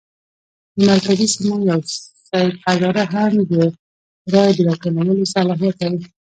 د مرکزي سیمو یو سید هزاره هم د رایو د راټولولو صلاحیت لري.